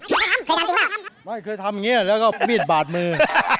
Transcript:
เคยทำอย่างนี้แล้วก็มีดบาดมือ